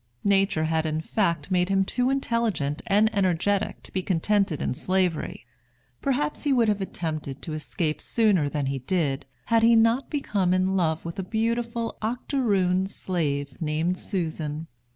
Nature had in fact made him too intelligent and energetic to be contented in Slavery. Perhaps he would have attempted to escape sooner than he did, had he not become in love with a beautiful octoroon slave named Susan.